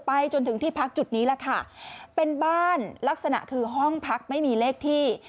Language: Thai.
จนถึงที่พักจุดนี้แหละค่ะเป็นบ้านลักษณะคือห้องพักไม่มีเลขที่